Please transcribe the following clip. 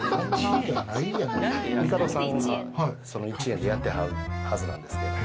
１円でやってはるはずなんですけど。